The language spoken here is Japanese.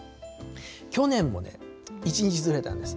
去年もね、１日ずれたんです。